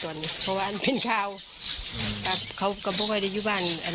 จตรงนี้โตอะไรเป็นข้าวกับเขากำเปล่าว่าได้อยู่บ้านอัน